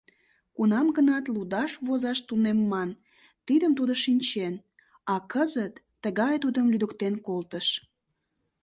Кунам-гынат лудаш-возаш тунемман, тидым тудо шинчен, а кызыт тыгае тудым лӱдыктен колтыш.